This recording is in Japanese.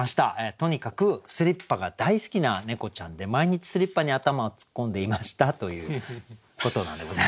とにかくスリッパが大好きな猫ちゃんで毎日スリッパに頭を突っ込んでいましたということなんでございます。